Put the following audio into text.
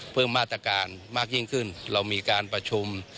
เพิ่มมาตรการมากยิ่งขึ้นเรามีการประชุม